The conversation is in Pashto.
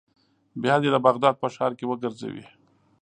بیا دې د بغداد په ښار کې وګرځوي.